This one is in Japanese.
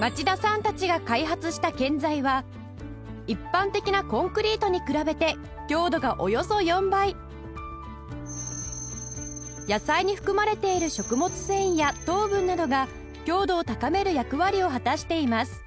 町田さんたちが開発した建材は野菜に含まれている食物繊維や糖分などが強度を高める役割を果たしています